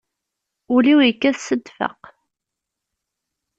Ul-iw yekkat s ddfeq.